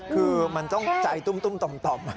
คือมันต้องใจตุ้มต่อม